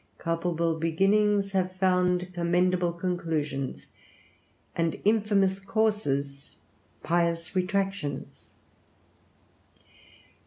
Culpable beginnings have found commendable conclusions, and infamous courses pious retractations.